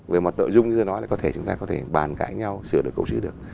về mặt tội dung như tôi nói là chúng ta có thể bàn cãi nhau sửa được cầu trí được